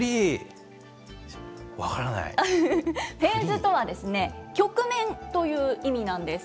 フェーズとは、局面という意味なんです。